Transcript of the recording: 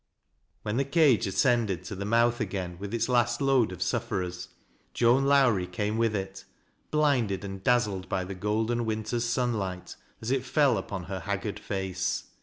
When the cage ascended to the mouth again with its last load of sufferers, Joan Lowrie came with it, blinded and dazzled by the golden winter's sunlight as it fell upon her haggard face.